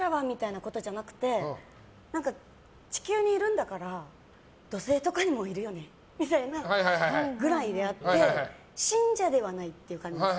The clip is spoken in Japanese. ことじゃなくて地球にいるんだから土星とかにもいるよねみたいなぐらいであって信者ではないという感じです。